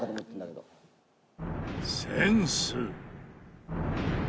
センス。